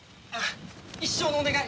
一生のお願い！